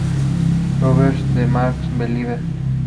Rogers 'de Make-Believe.